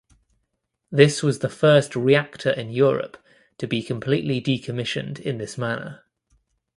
This was the first reactor in Europe to be completely decommissioned in this manner.